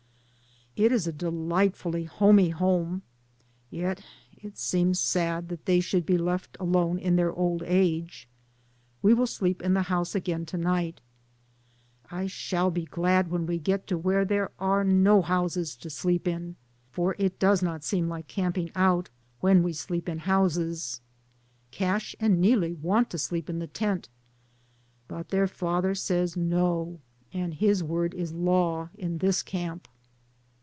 It is a de lightfully homey home, yet it seems sad that they should be left alone in their old age. We will sleep in the house again to night, I shall be glad when we get to where there are DAYS ON THE ROAD. ii no houses to sleep in, for it does not seem like camping out when we sleep in houses. Cash and Neelie want to sleep in the tent, but their father says no, and his word is law in this camp.